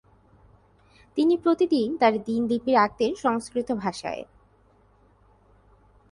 তিনি প্রতিদিন তার দিনলিপি রাখতেন সংস্কৃত ভাষায়।